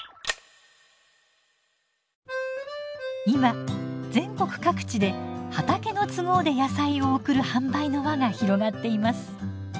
今全国各地で畑の都合で野菜を送る販売の輪が広がっています。